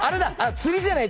釣りじゃない？